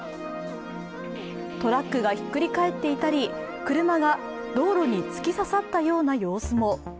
トラックがひっくり返っていたり車が道路に突き刺さったような様子も。